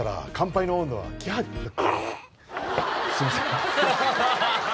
すいません